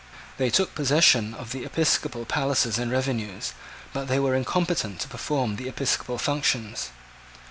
They took possession of the Episcopal palaces and revenues: but they were incompetent to perform the Episcopal functions.